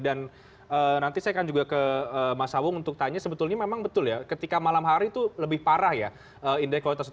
dan nanti saya akan juga ke mas sawung untuk tanya sebetulnya memang betul ya ketika malam hari itu lebih parah ya indeks kualitas udara